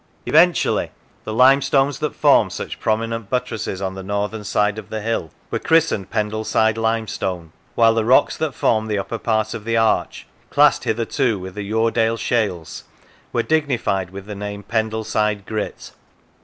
Eventually the limestones that form such prominent buttresses on the northern side of the hill were christened Pendle side limestone, while the rocks that form the upper part of the arch, classed hitherto with the Yoredale shales, were dignified with the name Pendleside grit.